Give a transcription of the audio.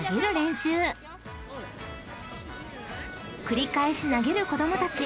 ［繰り返し投げる子供たち］